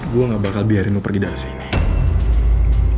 gue gak bakal biarin lo pergi dari sini